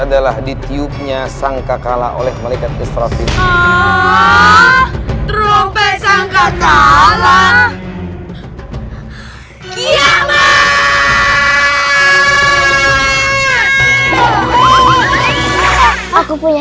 di tiupnya sang kakala oleh malaikat ast niego a polesangkan allah ha ha hin corona aku punya